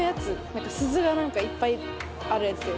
なんか鈴がなんかいっぱいあるやつ。